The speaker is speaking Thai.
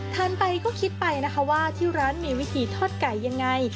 ทานไปก็คิดไปนะคะว่าที่ร้านมีวิธีทอดไก่ยังไง